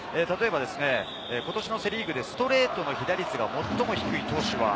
例えば、ことしのセ・リーグでストレートの被打率が最も低い投手は？